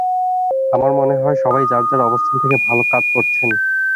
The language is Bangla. আমার মনে হয়, সবাই যার যার অবস্থান থেকে ভালো কাজ করছেন।